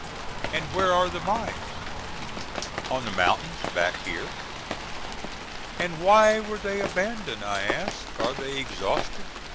"And where are the mines?" "On the mountains back here." "And why were they abandoned?" I asked. "Are they exhausted?"